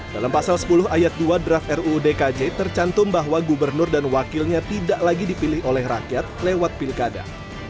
dalam pasal sepuluh ayat dua draft ruu dkj tercantum bahwa gubernur dan wakilnya tidak lagi dipilih oleh rakyat lewat pilkada